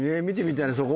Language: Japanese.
見てみたいね